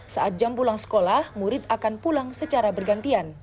saat jam pulang sekolah murid akan pulang secara bergantian